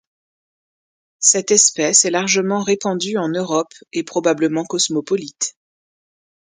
Cette espèce est largement répandue en Europe et probablement cosmopolite.